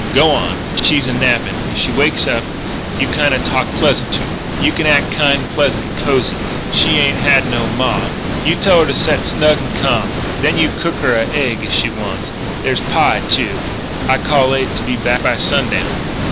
"G'wan up. She's a nappin'. If she wakes up you kinda talk pleasant to her. You act kind pleasant and cosy. She ain't had no ma. You tell her to set snug and ca'm. Then you cook her a egg if she wants it. There's pie, too. I cal'late to be back by sundown."